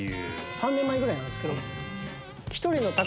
３年前ぐらいなんですけど。